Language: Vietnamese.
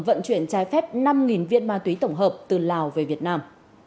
vận chuyển trái phép năm viên ma túy tổng hợp từ lào về việt nam